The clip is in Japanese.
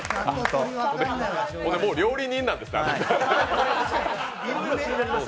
もう料理人なんですか、あなた。